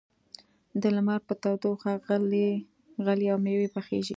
د لمر په تودوخه غلې او مېوې پخېږي.